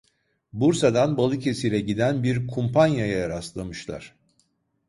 Bursa'dan Balıkesir'e giden bir kumpanyaya rastlamışlar.